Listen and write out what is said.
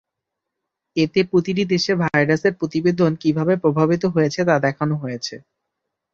এতে প্রতিটি দেশে ভাইরাসের প্রতিবেদন কীভাবে প্রভাবিত হয়েছে তা দেখানো হয়েছে।